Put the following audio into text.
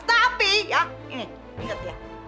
tapi ini ingat ya